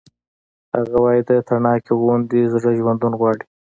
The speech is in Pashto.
هغه وایی د تڼاکې غوندې زړه ژوندون غواړي